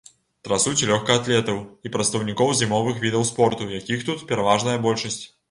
Трасуць і лёгкаатлетаў, і прадстаўнікоў зімовых відаў спорту, якіх тут пераважная большасць.